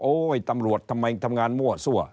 ตำรวจทำไมทำงานมั่วซั่ว